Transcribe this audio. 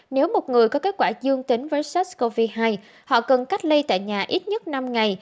nếu một người có kết quả dương tính với sars cov hai họ cần cách ly tại nhà ít nhất năm ngày